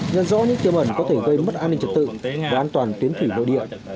nhận rõ những tiềm ẩn có thể gây mất an ninh trật tự và an toàn tuyến thủy nội địa